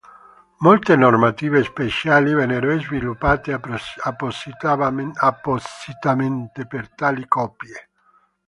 Molte normative speciali vennero sviluppate appositamente per tali coppie.